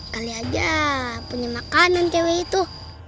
kali aja punya makanan cewek itu